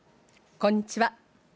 こんにちは。